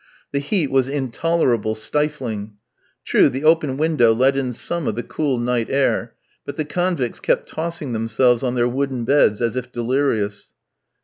The heat was intolerable, stifling. True, the open window let in some of the cool night air, but the convicts kept tossing themselves on their wooden beds as if delirious.